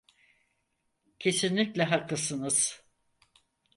Kesinlikle haklısınız.